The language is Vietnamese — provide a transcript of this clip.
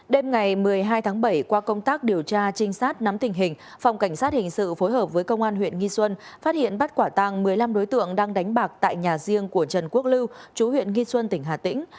đêm ngày một mươi hai tháng bảy qua công tác điều tra trinh sát nắm tình hình phòng cảnh sát hình sự phối hợp với công an huyện nghi xuân phát hiện bắt quả tàng một mươi năm đối tượng đang đánh bạc tại nhà riêng của trần quốc lưu chú huyện nghi xuân tỉnh hà tĩnh